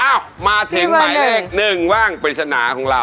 เอ้ามาถึงหมายเลขหนึ่งว่างปริศนาของเรา